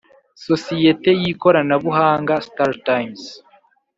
sosiyete y’ikoranabuhanga, startimes,